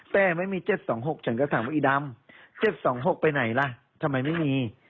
แต่ไม่มี๗๒๖ฉันก็ถามว่าอีดำ๗๒๖ไปไหนล่ะทำไมไม่มี